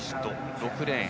６レーン。